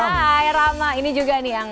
hai rama ini juga nih yang